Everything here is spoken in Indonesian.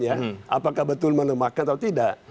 apakah betul melemahkan atau tidak